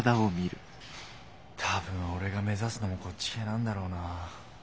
多分オレが目指すのもこっち系なんだろうな。